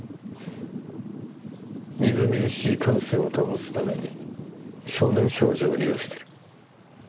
みずみずしい感性を保つために少年少女を利用している。